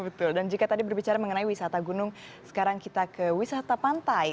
betul dan jika tadi berbicara mengenai wisata gunung sekarang kita ke wisata pantai